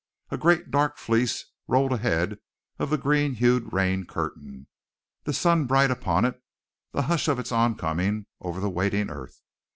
A great dark fleece rolled ahead of the green hued rain curtain, the sun bright upon it, the hush of its oncoming over the waiting earth.